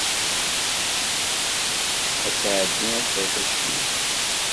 Ad tɛeddi ad terr tacuyt.